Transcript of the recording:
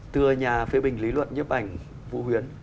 từ nhà phế bình lý luận nhấp ảnh vũ huyến